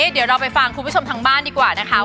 เดี๋ยวเราไปฟังคุณผู้ชมทางบ้านดีกว่านะคะ